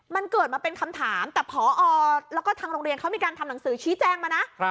มันเกิดมาเป็นคำถามแต่พอแล้วก็ทางโรงเรียนเขามีการทำหนังสือชี้แจงมานะ